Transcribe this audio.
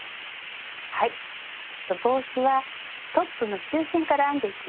はい帽子はトップの中心から編んでいきます。